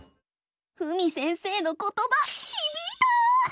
ふみ先生のことばひびいた！